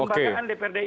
kelembagaan dprd ini